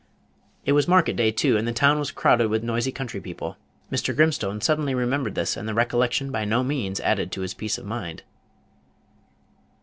It was market day too, and the town was crowded with noisy country people. Mr. Grimstone suddenly remembered this, and the recollection by no means added to his peace of mind.